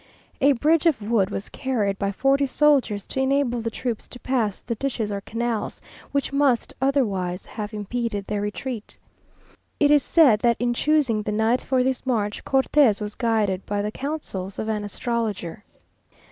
A bridge of wood was carried by forty soldiers, to enable the troops to pass the ditches or canals, which must otherwise have impeded their retreat. It is said that in choosing the night for this march Cortes was guided by the counsels of an astrologer.